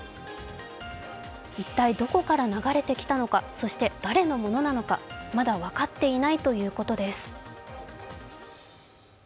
一体どこから流れてきたのか、そして誰のものなのか、まだ分かっていないということです。